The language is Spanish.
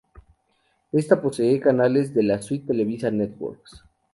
Esta posee canales de la suite Televisa Networks.